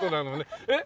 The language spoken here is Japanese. えっ？